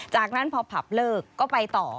จากนั้นพอผับเลิกก็ไปต่อ